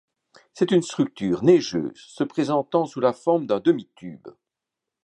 C'est une structure neigeuse se présentant sous la forme d'un demi tube.